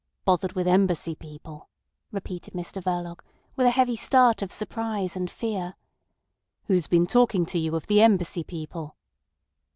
"Bothered with Embassy people," repeated Mr Verloc, with a heavy start of surprise and fear. "Who's been talking to you of the Embassy people?"